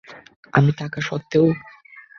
আমি থাকা সত্বেও।